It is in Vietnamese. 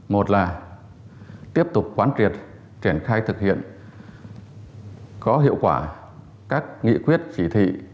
một là tiếp tục quán triệt triển khai thực hiện có hiệu quả các nghị quyết chỉ thị